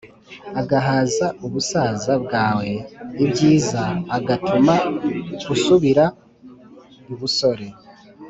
Agahaza ubusaza bwawe ibyiza agatuma usubira ibusore